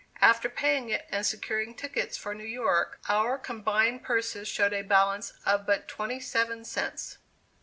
After paying it and securing tickets for New York, our combined purses showed a balance of but twenty seven cents.